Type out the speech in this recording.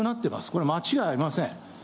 これは間違いありません。